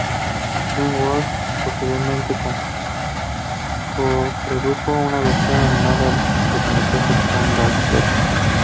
King World posteriormente co-produjo una versión animada de estos cortometrajes con Hanna-Barbera.